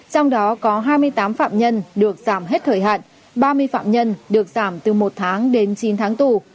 trong đó có hai mươi tám phạm nhân được giảm hết thời hạn ba mươi phạm nhân được giảm từ một tháng đến chín tháng tù